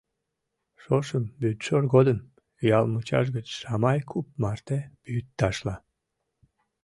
Шошым вӱдшор годым, ял мучаш гыч Шамай куп марте вӱд ташла.